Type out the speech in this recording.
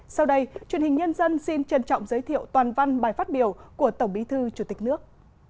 sau đây truyền hình nhân dân xin trân trọng giới thiệu toàn văn bài phát biểu của tổng bí thư chủ tịch nước